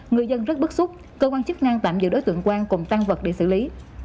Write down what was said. người dân rất bức xúc cơ quan chức năng tạm giữ đối tượng quang cùng tăng vật để xử lý